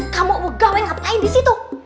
kamu pegawai ngapain di situ